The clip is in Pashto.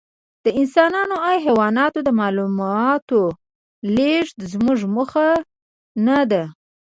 د انسانانو او حیواناتو د معلوماتو لېږد زموږ موخه نهده.